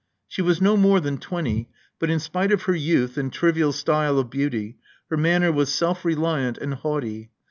She was no more than twenty; but in spite of her youth and trivial style of beauty, her manner was self reliant and haughty.